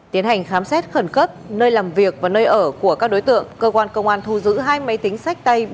tiến hành khám xét khẩn cấp nơi làm việc và nơi ở của các đối tượng cơ quan công an thu giữ hai máy tính sách tay